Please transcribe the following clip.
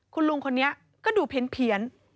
คุณลุงคนนี้ก็ดูเพี้ยน